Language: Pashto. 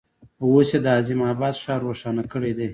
اوس یې د عظیم آباد ښار روښانه کړی دی.